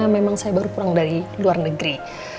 memang saya baru pulang dari luar negeri